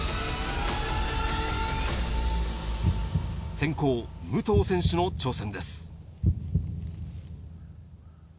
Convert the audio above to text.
先攻、武藤選手の挑戦です。